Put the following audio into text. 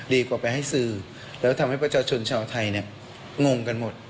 ดีกว่าไปให้สื่อแล้วทำให้ประชาชนชาวไทยเนี่ยงงกันหมด